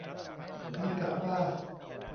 นี่กะว่า